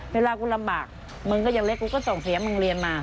เวลากูลำบากมึงก็ยังเล็กกูก็ส่งเสียมึงเรียนมา